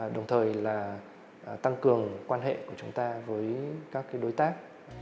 đồng thời là tăng cường quan hệ của chúng ta với các đối tác